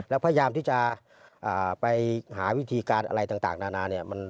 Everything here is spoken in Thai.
แล้วพยายามที่จะไปหาวิธีการอะไรต่างนานาเนี่ย